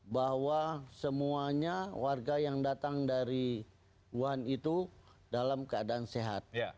bahwa semuanya warga yang datang dari wuhan itu dalam keadaan sehat